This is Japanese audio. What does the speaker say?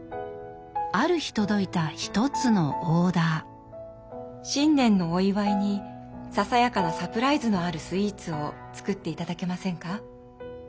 ある日届いた一つのオーダー「新年のお祝いにささやかなサプライズのあるスイーツを作っていただけませんか？」。